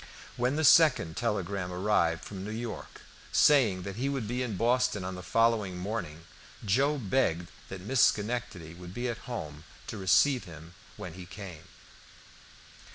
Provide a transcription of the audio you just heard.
When the second telegram arrived from New York, saying that he would be in Boston on the following morning, Joe begged that Miss Schenectady would be at home to receive him when he came.